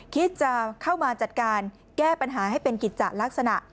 คิดจะเข้ามาจัดการแก้ปัญหาให้เป็นกิจจะลักษณะ